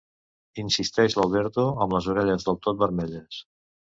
Insisteix l'Alberto amb les orelles del tot vermelles.